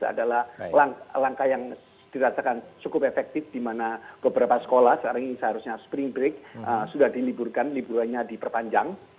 adalah langkah yang dirasakan cukup efektif di mana beberapa sekolah sekarang ini seharusnya spring break sudah diliburkan liburannya diperpanjang